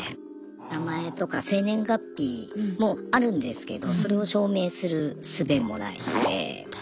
名前とか生年月日もあるんですけどそれを証明するすべもないので。